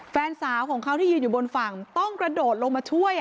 แฟนสาวของเขาที่ยืนอยู่บนฝั่งต้องกระโดดลงมาช่วย